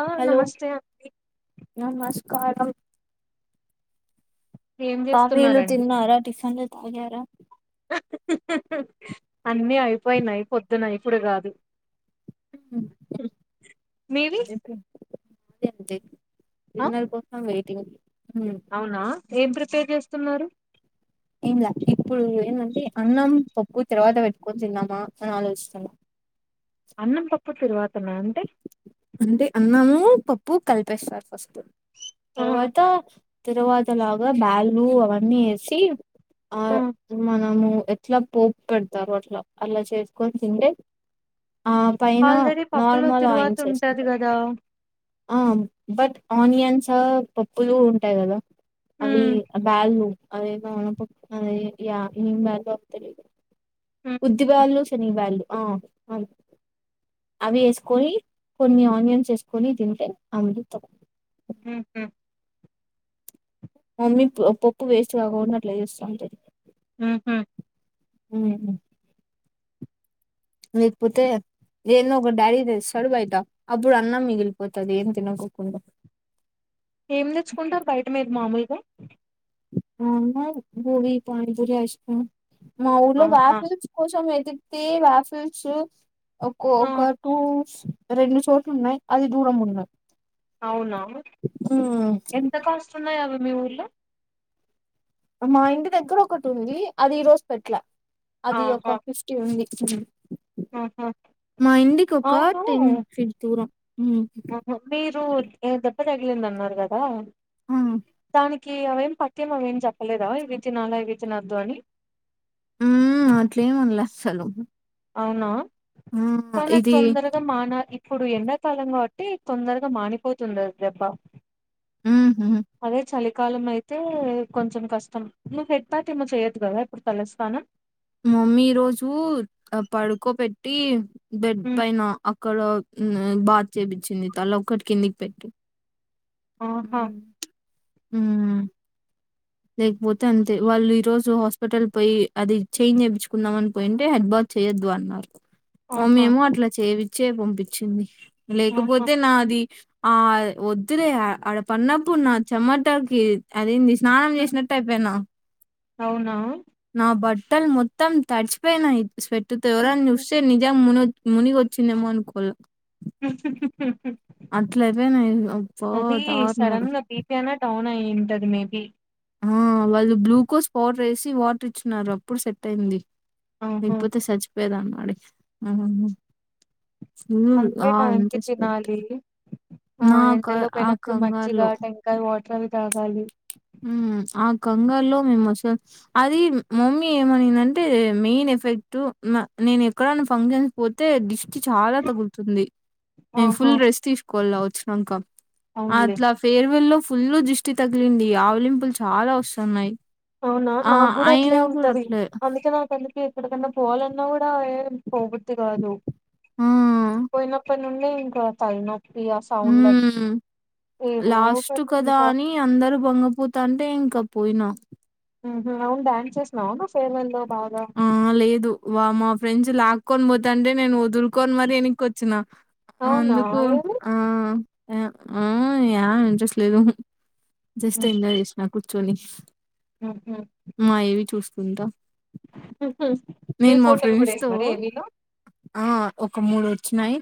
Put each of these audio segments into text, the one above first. ఆ హలో నమస్తే అండి నమస్కారం ఏం కాఫీలు చేస్తున్నారండి తిన్నార టిఫిన్లు తాగ్యార అన్నీ అయిపోయినాయి పొద్దున ఇప్పుడు కాదు మీవి [unintelligible] ఆ ఇనా పోస్తంగా తిను అవునా ఏబ్ర పే చేస్తున్నారు ఏంలా ఇప్పుడు ఏమంటే అన్నం పప్పు తర్వాత పెట్టుకొని తిన్నామా అని ఆలోచిస్తున్నాం అన్నం పప్పు తిరువాతన అంటే అందే అన్నమూ పప్పు కలిపేస్తారు ఆ తర్వాత తిరువాత లాగా బ్యాళ్ళు అవన్నీ వేసి ఆ ఆహ్ మనము ఎట్లా పోపు పెడతారు అట్లా అలా చేసుకొని తింటే ఆ పైన ఆల్రెడీ పప్పులో నార్మల్ తిరువాత ఆయిన్స్ వేస్ ఉంటది కదా ఆనియన్స్ పప్పులు ఉంటాయి కదా అవి హ్మ్ ఆ బ్యాల్లు అదేమో పప్పు అదే యా ఏం బ్యాల్లో తెలీదు హ్మ్ ఉద్ది బ్యాళ్లు శేనగ బ్యాళ్లు ఆ అవి అవి వేసుకోని కొన్ని ఆనియన్స్ వేసుకుని తింటే అమృతం ఉ హ్ మా మమ్మీ పప్పు వేస్ట్ కాకోకుండా అట్లా చేస్తుంటది ఉహు ఉహు లేకపోతే ఏందో ఒకటి డాడీ తెస్తాడు బయట అప్పుడు అన్నం మిగిలిపోతది ఏం తినకోకుండా ఏం తెచ్చుకుంటారు బయట మీరు మామూలుగా ఆ ఆ ఉన్నాయి గోబీ, పానీపూరి, ఐస్ క్రీమ్ మా ఊర్లో ఆహా వాకిలి కి వచ్చి కూర్చొని పోయ్ తే వాఫరు చు ఆ ఒక్కొక్క టుస్ రెండు చోట్లు ఉన్నాయి అది దూరంగా ఉన్నాయి అవునా ఎంత కాస్ట్ ఉన్నాయి అవి మీ మా ఇంటి దగ్గర ఒకటి ఉంది అది ఈ రోజు పెట్లా అది ఆహా ఒక ఫిఫ్టీ ఉంది ఇచ్చి కొంచెం ఆహా మా ఇంటికి ఒక అవును టెన్ ఫీట్ దూరం హు త తగిలింది అన్నారు కదా దానిక్ ఇంకే అవేం పత్యం అవి ఏం చెప్పలేదా ఇవి తినాలా ఇవి తినద్దు అని ఉమ్ అట్లేమండలే అస్సలు అవునా కానీ అది ఇది తొందరగా మానాలి ఇప్పుడు ఎండాకాలంగా కావట్టి తొందరగా మానిపోతుంది అది దెబ్బ ఉమ్ అదే చలి కాలం అయితే కొంచెం కష్టం నువ్వు హెడ్ ప్యాట్ ఏమో చెయ్యదు కదా ఇప్పుడు తల్లస్నానం మమ్మీ ఈ రోజు పడుకో పెెట్టి బెడ్ ఉమ్ పైన అక్కడ బాత్ చేపించింది తల ఒక్కటి కిందికి పెట్టి ఆహా మ్ హూ లేకపోతే అంతే వాళ్ళు ఈ రోజు హాస్పిటల్ పోయి అది చైన్ చేయిించుకుందామ అని పోయింటే హెడ్ బాత్ చేయ్యొద్దు అన్నారు మమ్మీ ఆహా ఏమో అట్లా చేయవి చే పంపించింది ఆహా లేకపోతే నాది ఆ వద్దులే ఆడ పన్నప్పుడు నా చెమటకి అది ఏంది స్నానం ఉమ్ చేస్ ిన టైపనా అవునా నా బట్టల్ మొత్తం తడిచిపోయినాయి స్వేట్ తో ఎవరన్న హుహు. చూస్తే నిజం ము ను మునిగి వచ్చిందేమో అనుకోలో అయిపోయినాయి అబ్బా అది దారుణం సడన్గా బిపి నా డౌన్ నా ఏంటది మే బి ఆ వాళ్ళు గ్లూకోజ్ పౌడర్ వేసి వాటర్ ఇచ్చన్నారు అప్పుడు సెట్ అయింది ఆహా లేకపోతే సచ్చిపోయేదాన్నీ [unintelligible] అందుకే టైం కి తినాలి ఆ నాకు ఎండలో ఆ పోయినప్పుడు మజ్జిగా కంగారులో టెంకాయ వాట్ ట్రవి తాగాలి హుమ్ ఆ కంగాల్లో మేము అస అది మా మమ్మీ ఏమనిందంటే మెయిన్ ఎఫెక్ట్ నేను ఎక్కడనా ఫంక్షన్స్ పోతే డిష్ చాలా తగుతుంది మేము ఆహా ఫుల్ రెస్ట్ తీసుకోళ్ల వ్ శంకాక్ అ అవునులే అట్లా ఫేర్ వెల్ లో ఫుల్లు దృష్టి తగగిలింది ఈ ఆవలింపులు చాలా వస్తున్నాయి్ అవునా నాకు కూడా అట్లే ఉంటది అట్లే అందుకే నాక్ ఎక్కడికన్నా పోవాలన్నా కూడా ఏం పోబుద్ది కాదు ఆ పోయినప్ప నుండి ఇంక తల్న ప్ హూ మ్ ఏదో లాస్ట్ ఒకటి కదా ఇంకా అని అందరూ గునుగుత అంటే ఇంక పోయిన అవును డన్స్ చేసినావు ఫేర్మ లో బాగా ఆ లేదు వామప్ ఫ్రెంస్ లాక్కొని పోతా అంటే నేను వదులుకొని మరి వెనక్కిొచ్చినా అవునా అందుకు ఏమి ఆ ఆ ఆ ఏ ఇంట్రెస్ట్ లేదు జస్ట్ే ఉహు ఎంద ఎష్ నా కుచ చని ఉహు మా ఏవి చూస్త చంద మీ ఫోటోలు కూడా ఫ్రెండ్స్‌తో వేస్తున్నారుారే మీలో ఆ ఒక మూడు వచ్చినాయి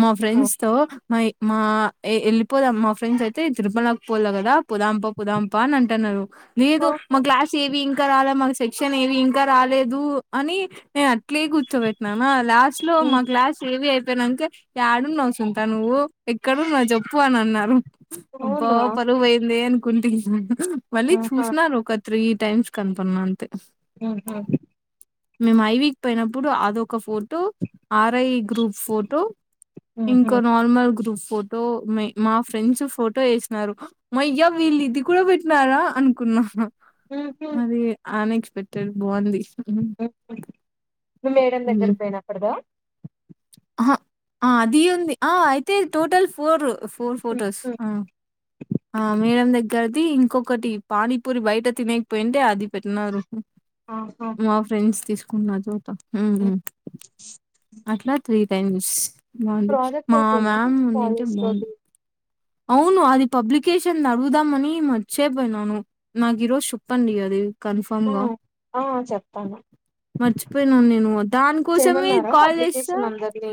మా ఫ్రెండ్స్ ఆహా తో మా మా వెళ్ళిపోదా మా ఫ్రెండ్స్ అయితే తిరుపలకి పోాల కదా పుదాంప పుదాంప అని అంటున్నారు లేదు మా ఉహు క్లాస్ ఏవి ఇంకా రాలా మాకు సెక్షన్ ఏవిం రాలేదు అని నేను ప్లే కూర్చోబెట్టినామా లాస్ట్ లో మా గ్లాస్ ఏవి అయి చెప్పనాక ఆడు ను్ సుంతా నువ్వు ఎక్కడున్నావ్ చెప్పు అని అన్నారు బ్బా అవునా పు వేంది కుంట మళ్ళీ ఆహా చూసినార ఒకత్రి టైమ్స్ క అంతపంట ఆహా మేము ఐవీక్ పోయినప్పుడు అదొక ఫోర్ ఆర్ఐ గ్రూప్ ఫోటో ఉహు ఇంకో నార్మల్ గ్రూప్ ఫోటో మా ఫ్రెండ్స్ ఫోటో వేసినారు మయ్యా వీళ్ళు ఇది కూడా పెట్టినారా అనుకున్నాను ఉహు మరి ఆ నెక్స్ట్ అే బాగుంది నువ్ మేడం దగ్గర హ్మ్ పోయినానప్పుడదా అది ఉంది అయితే టోటల్ ఫోర్ ఫోర్ ఫటోస్ ఉహు, ఆ మేడం దగ్గరది ఇంకొకటి పానీపూరి బయట తినకపోయింటే అది పెట్టిన్నారు ఆహా మా ఫ్రెండ్స్ తీసుకు కున్నదో అట్లా త్రి ఫెన్స్ బాగుంది ప్రాజెక్ట్ మా అయిపోయిందా మేం నీది ఉన్నింటే కాలేజ్ బాగుంది లోది అవును అది పబ్లికేషన్ అడుగుదామని మర్చిపోయినాను నాకు ఈరోజు చెప్పండి అది కన్ఫామ్ ఆ గా ఆ చెప్తాను మర్చిపోయినాను నేను దానికోసమే చేయమన్నారా కాల్ చేస్తా పబ్లికేషన్ అందరినీ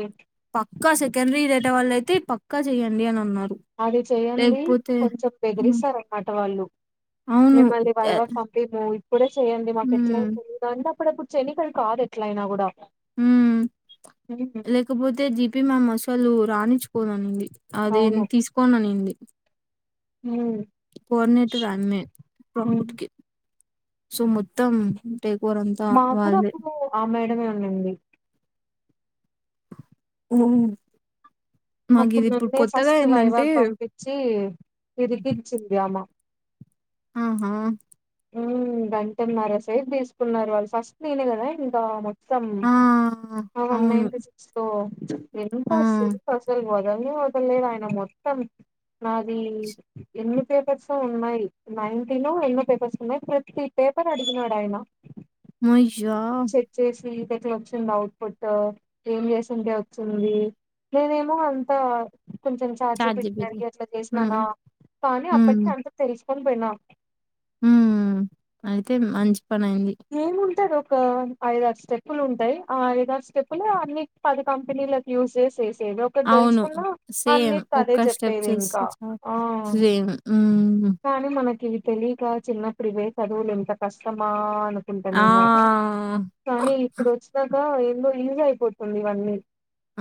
పక్కా సెకండరీ డేటా వాళ్ళు అయితే ప ఇకా చెయండి అని అన్నారు అది చెయండి కొంచెం హ్మ్. బెదిరిస్తారు అన్నమాట వళ్లు అవును. మిమ్మల్ని ఆహ్, వైవాగ్ పంపియము ఇప్పుడే చేయ్యండి మాకు ఎట్ల అయిన హ్మ్. తెలియదు అంటే ఇప్పుడప్పుడు చేనిక్కి ఆది కాదు ఎట్లయినా కూడా మ్మ్ ఉమ్, లేకపోతే జీపి మేం అసలు రాణించుకొను అన్నింది అదే అవును తీసుకోన్నాది ఉమ్ కోఆర్డినేటర్ అమ్మెనే ఉమ్ ప్రాఫిట్కి సో మొత్తం టేక్ ఓవర్ అంతా మా కూడా వాళ్ళదే. అప్పుడు ఆ మేడమే ఉన్నింది ఉ అప్పుడు నున్నే ఫస్ట్ వైవాగ్ పంపించి విరికిించింది అమ్మ ఆహా గంటన్నారా సేపు తీసుకున్నారు వాళ్ళు ఫస్ట్ నేనే కదా ఇంకా వన్ ఆ! అవును. [unintelligible] సిక్స్ లో ఎంత ఆ! సేపు అసలు వై [unintelligible] అదలేదు ఆయన మొత్తం నాది ఎనీ పేపర్స్ ఉన్నాయి నైన్టీన్ నో ఎన్నో పేపర్స్ అ ప్రతి పేపర్ అడిగినాడు ఆయన చెక్ చేసి [unintelligible] ఇదెట్ల వచ్చింది అవుట్ పట్ ఏం చేసింటే వచ్చింది నేనేమో అంత కొంచెం చఛార్జీ చాట్‌జీపీటీ. పెట్టినకి అట్లా హ్మ్. చేసిననా కానీ అప్పటిక హ్మ్. అంత తెలిసి కొన్ పోయినా మ్మ్ అయితే మంచి పన అయ్యింది ఏముంటది ఒక ఐదు ఆరు స్టెప్పులు ఉంటాయి ఆ ఐద ఆరు స్టెప్పులు అన్ని పది కంపెనీ కి యూజ్ చేసే అవును సేమ్ అదే ఒక్క స్టెప్ చెప్పేది ఇంకా చేస్తే చాలు ఆ సేమ్ కానీ మనకి ఇవి తెలియక చిన్నప్పుడు ఇవే చదువులు ఎంత కష్టమా అ అనుకుంటానే ఆ! ఉన్నాము కానీ ఇప్పుడు వచ్చినాక లో ఈజీ అయిపోతుంది ఇవన్నీ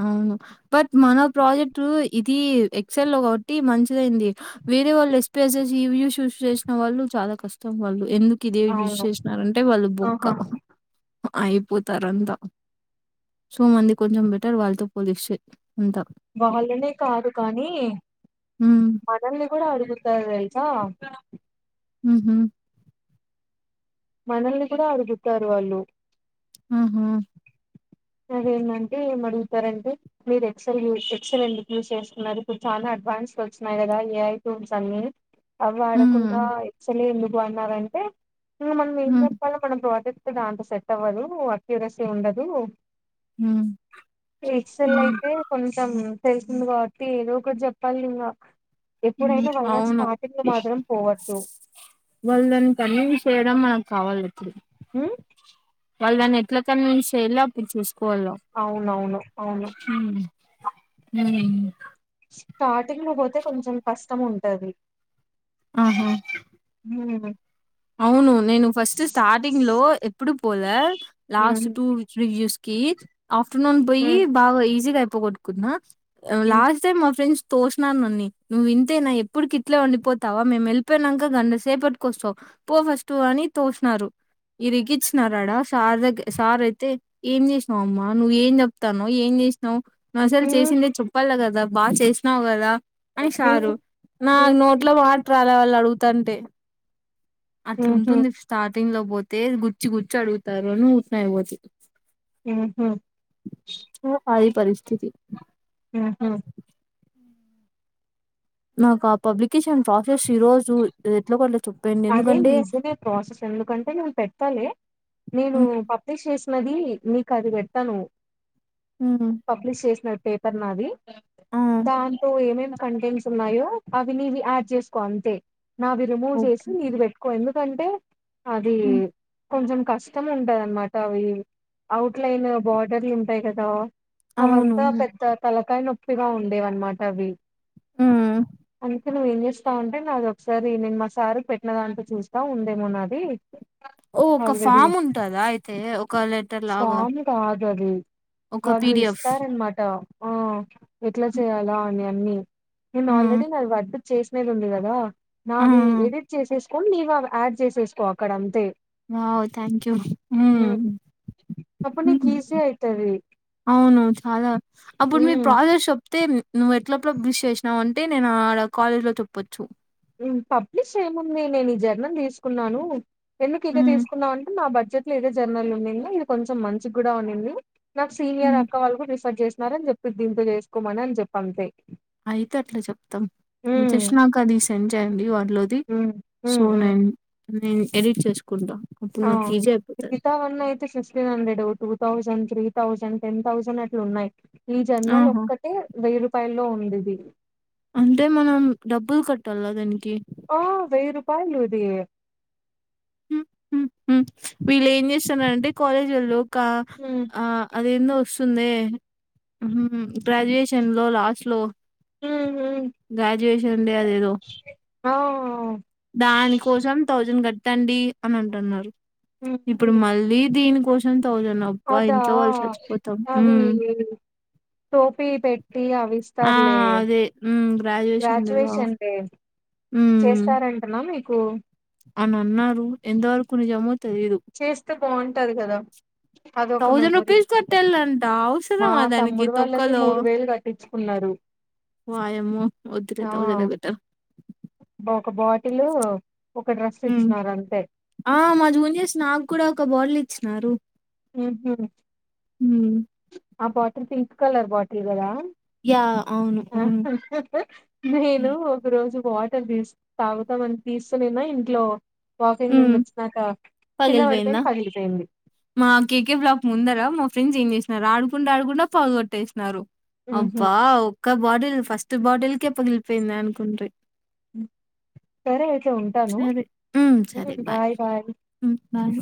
అవును బట్ మన ప్రాజెక్ట్ ఇది ఎక్సెల్ లో కాబట్టి మంచిదైంది వేరే వాళ్ళు ఎస్పిఎస్ ఇవ్యూ షూస్ చేసిన వాళ్ళు చాలా కష్టం వాళ్ళు ఎందుకు ఇదే యూజ్ అవును చేసినారంటే వాళ్ళు బొక్క ఆహా అయిపోతారు అంతా సో మంది కొంచెం వాళ్ళతో పోలిక్ష వాళ్ళనే కాదు కానీ హ్మ్. మనల్ని కూడా అడుగుతారు తెలుసా హ హ మనల్ని కూడా అడుగుతారు వాళ్ళు ఆహా! అదేంటంటే ఏం అడుగుతారంటే మీరు ఎక్సెల్ యూ ఎక్సల్ ఎందుకు యూజ్ చేసుకున్నారు ఇప్పుడు చాలా అడ్వాన్స్ వచ్చినన్నాయి కదా ఏఐ ఫోన్స్ అన్నిీ అ వాడకున్న హ్మ్. చల వన్ అవర్ అంటే ఇంకా మనం ఏం హ్మ్. చెప్పలో మనం ప్రాజెక్ట్ దాంత సెట్ అవ్వదు అత్యురసి ఉండదు హ్మ్. ఎక్సెల్ హ్మ్. అయితే కొంచెం తెలిసింది కాబట్టి ఏదో ఒకటి చెప్పాలి ఇంకా ఎప్పుడైనా వైవా అవును స్టార్టింగ్ లో మాత్రం పోవద్దు వాళ్ళ దాని కన్న చేయడం మనకు సవాల హ వాళ్ళుాన్ని ఎలా కన్వన్స్ చేయ్యి అప్పిస్తాారు అవునవును అవును హ స్టార్టింగ్ పోతే కొంచెం కష్టం ఉంటది ఆహా ఉ అవును నేను ఫస్ట్ స్టార్టింగ్ లో అప్పుడు పోలే లాస్ట్ ఉమ్ టూజస్ క ఆఫ్టర్నూన్ పోయి ఉమ్ బా ఈజీగాయి ప్పు కొట్కున్నా లాస్ట్ టైమ్ మా ఫ్రెండ్స్ తోసినాను నన్ని నువ్వు వింతేనా ఎప్పుడుకి ఇట్లా వండిపోతావా మేము వెళ్ళిపోయినాక గంటసేపటికొస్తావు పో ఫస్ట్ అని తోసినారు ఈరిగిచ్చినారడా సార్ దగ్గ సార్ అయితే ఏం చేసినావు అమ్మా నువ్్వ ఏం చెప్తానో ఏం చేసినావు్ మసలు ఉమ్ చేసిందే చప్పాల కదా కదా బాగా చేసినావు్ కదా అ ఉమ్. సారు నా ఉహు నోట్లో వాట రాదు అలా వాళ్ళు అడుగుతంటే ఉహు అట్లాంటుంది స్టార్టింగ్ లో పోతే గుచ్చి గుచ్చి అడుగుతారు అని తున్నాయి పోతే ఆహ సది పరిస్థితి నాకు ఆ పబ్లికేషన్ టాఫిక్స్ ఈ రోజు ఎట్లా కూడా అదే నిజమ ప్రాసెస్ ఎందుకంటే నేను పెట్టాలి నేను ఉమ్, పబ్లిష్ చేసి న్నది నీకు అది పెడతాను ఉమ్, పబ్లిష్ చేసినట్టు పేపర్ మాది ఆ దాంతో ఏమే కంటెంట్స్ ఉన్నాయో అవి న ఇవి యాడ్ చేసుకో అంతే నావవి రిమూవ్ ఓకే చేస్త ఎకు ఎందు కంటే అది కొంచం కష్టం ఉంటద అన్నమాట అవి అఔట్లైన్ బోార్డర్లు ఉంటాయి కదా అవంతా అవునువును పెద్ద తలకాయ నొప్పి చగా ఉండేవి అన్నమాట అవి అ ఇ నువ్వు ఏం చేస్తావుంటే నాది ఒకసారి నేను మా సార్ పెట్ చిన్న దాంట్లో చూస్తా ఉందేమోన్నది ఓ ఒక ఫామ్ ఉంటదా అయితే కల ఎటర్లాగా ఫామ్ కాదు అది వాళ్ళు ఇస్తారనమాట ఓ ఎట్లా చేయాలా అని అ నేను ఆల్రెడీ నాది వద్ద చేసినది ఉంది కదా నావి ఎదిర్ చేసే కొ ఇవ అ యాడ్ చేసేసుకో అక్కడ అంతే ఓ థ్యాంక్ యూ ఉమ్. అప్పుడు నీకు ఈజీ అయితది అవును చాలా అప్పుడు మీరు ఉమ్ ప్రాదస్ అే నువ్వు ఎట్లప్పుడు బృష్ చేసినావు అంటే నేను ఆడ కాలేజ్ లో చెప్పొచ్చు పబ్లిష్ ఏముంది నేను ఈ జర్నన్ తీసుకున్నాను ఎందుకు ఇక ఉమ్. తీసుకున్నావు అంటే నా బడ్జెట్ ఇ ఏదే జర్నల్ ఉంంది. ఇది కొంచెం మంచి కూడా ఉన్నింది. నాకు సీనియర్ హ్మ్. అక్క వాళ్ళు కూడా రిఫర్డ్ చేసినార అని చెప్పి దీంతో చేసుకోమని అని చెప్పి అంతే అయితే హ్మ్ చె అయండి ది హ్మ్ సో హ్మ్ హ్మ్ నేను నేను ఎడిట్ చేసుకుంటా అప్పుడు ఆ నాకు ఈజీ అయిపోతది. గితావన్న అయితే ఫిఫ్స్టీన్ హండ్రెడ్ ఉ two thousand three thousand ten thousand అట్లు ఉన్నాయి ఈ జన్నాలు ఆహా! ఒక్కటే వెయ్యి రూపాయల్లో ఉ ఉండది అంటే మనం డబ్బులు కట్టాల దానికి ఆ వెయి రూపాయి లోదు [inaudible] వీళ్ళు ఏం చేస్తున్నంటే కాలేజీలలో ఒక హ్మ్ ఆ అది ఎన్నో వస్తుంది గ్రాడ్యుయేషన్ లో లాస్ట్ లో హ్మ్ హ్మ్ గ్రా జష ఉండ అదేదో అ దాని కోసం థౌజండ్ కట్టండి అని అంటున్నారు హ్మ్. ఇప్పుడు హ్మ్. మళ్ళీ దీనికి పోషణ అదా అవి హ్మ్. టోపీ పెట్టి అవి ఆ ఇస్తారులే అదే హ్మ్ గ్రాడ్యుయేషన్ లేదా గ్రాడ్యుయేషన్లే హ్మ్ చేస్తనండి [inaudible] అని అన్నారు ఎంతవరకు నిజమో తెలీదు చేస్తే బాగుంటది కదా అదొక థౌజండ్ మెమొరీ రూపీస్ తట్టేళంట మా అవసరమా దానికి తమ్ముడు వాళ్ళకి తొక్కలో మూడు వేలు కట్టించుకున్నారు వాయము వద్దుట ఆ థౌజండ్ బట్ట బ- ఒక బాటిల్ ఒక డ్రెస్ ఇచ్చినారు అంతే ఆ మజకుని స్నా కూడా ఒక బాళ ఇచ్చినారు ఉహు హ్మ్ ఆ బాటిల్ పింక్ కలర్ బాటిల్ కదా యా అవును హ్మ్ నేను ఒక రోజు వాటర్ తీ తాగుతాంని తీస్తూనేనా ఇంట్లో వాకింగ్ నుండి హ్మ్ వచ్చాక కింద పడిపోయింది పగిలిపోయిందా తగిలిపోయింది మా కేకే బ్లాక్ ముందర మా ఫ్రెండ్స్ ఏం చేసినన్నారు ఆడుకుండా ఆడుకుండా పగొట్టేసినన్నారు ఉహు అబ్బా ఒక బాటిల్ ఫస్ట్ బాటిల్కే పగిలిపోయింది అనుకుంట్రి సరే అతే ఉంటాను సరే బాయ్ బాయ్ బారు